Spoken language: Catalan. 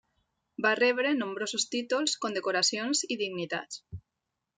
Va rebre nombrosos títols, condecoracions i dignitats.